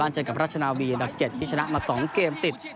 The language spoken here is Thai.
เช่นกับรัชนาวี๗ที่ชนะมา๒เกมติด